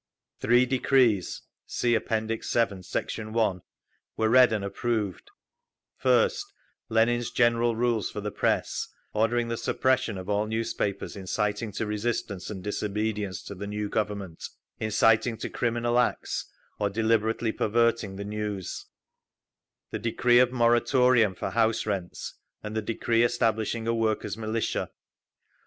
Three decrees (See App. VII, Sect. 1) were read and approved: first, Lenin's "General Rules For the Press," ordering the suppression of all newspapers inciting to resistance and disobedience to the new Government, inciting to criminal acts, or deliberately perverting the news; the Decree of Moratorium for House rents; and the Decree Establishing a Workers' Militia.